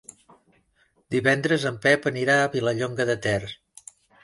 Divendres en Pep anirà a Vilallonga de Ter.